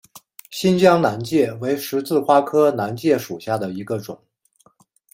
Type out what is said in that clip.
新疆南芥为十字花科南芥属下的一个种。